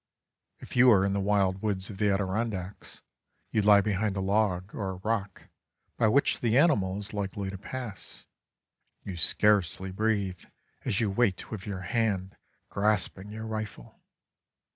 If you are in the wild woods of the Adirondacks you lie behind a log or rock by which the animal is likely to pass; you scarcely breathe as you wait with your hand grasping your rifle.